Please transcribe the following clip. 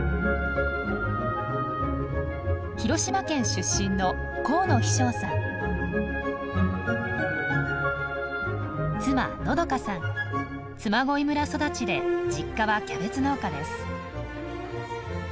広島県出身の嬬恋村育ちで実家はキャベツ農家です。